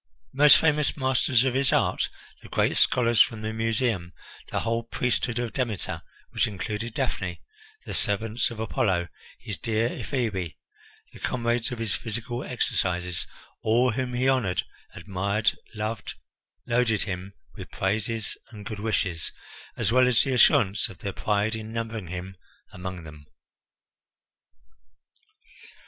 The most famous masters of his art, the great scholars from the Museum, the whole priesthood of Demeter, which included Daphne, the servants of Apollo, his dear Ephebi, the comrades of his physical exercises all whom he honoured, admired, loved loaded him with praises and good wishes, as well as the assurance of their pride in numbering him among them.